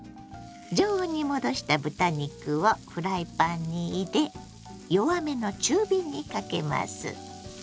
常温に戻した豚肉をフライパンに入れ弱めの中火にかけます。